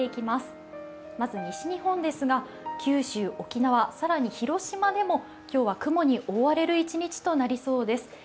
まず西日本ですが、九州、沖縄、更に広島でも今日は雲に覆われる一日となりそうです。